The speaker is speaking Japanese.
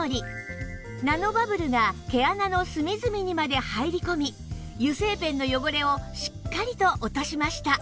ナノバブルが毛穴の隅々にまで入り込み油性ペンの汚れをしっかりと落としました